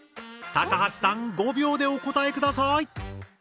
高橋さん５秒でお答え下さい！